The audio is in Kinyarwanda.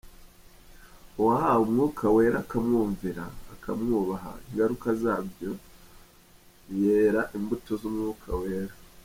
Uwahawe Umwuka Wera akamwumvira, akamwubaha, ingaruka zabyo yera imbuto z’Umwuka Wera.